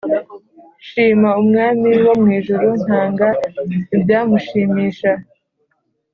nshima umwami wo mu ijuru, ntanga ibyamushimisha